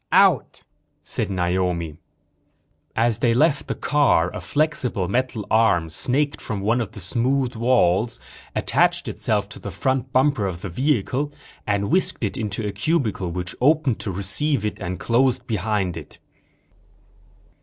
"Out," said Naomi. As they left the car, a flexible metal arm snaked from one of the smooth walls, attached itself to the front bumper of the vehicle, and whisked it into a cubicle which opened to receive it and closed behind it.